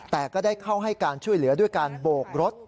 แต่ก็ได้เข้าให้การช่วยเหลือด้วยการโบกรถ